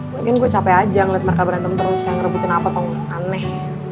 mungkin gue capek aja ngeliat mereka berantem terus kayak ngerebutin apa tong aneh